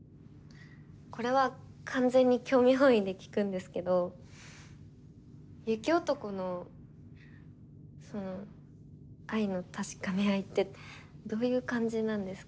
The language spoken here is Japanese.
これは完全に興味本位で聞くんですけど雪男のその愛の確かめ合いってどういう感じなんですか？